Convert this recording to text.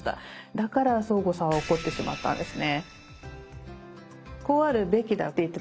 だからそーごさんは怒ってしまったんですね。